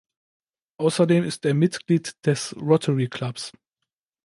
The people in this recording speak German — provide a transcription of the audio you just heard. Außerdem ist er Mitglied des Rotary Clubs.